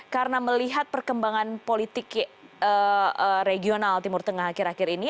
karena melihat perkembangan politik regional timur tengah akhir akhir ini